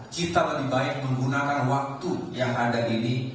kita lebih baik menggunakan waktu yang ada ini